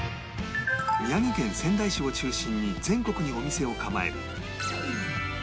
宮城県仙台市を中心に全国にお店を構える